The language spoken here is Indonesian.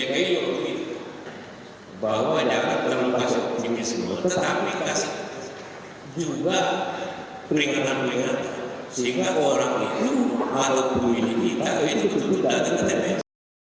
asetrafismu dalam penyibahan banyak di bku itu bahwa jangan terlalu masuk di bku tetap dikasih juga peringatan peringatan sehingga orang itu ataupun ini kita itu tutup dan dikasih